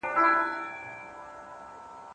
د خوړو وختونه د وینې ګلوکوز او انسولین لپاره مهم دي.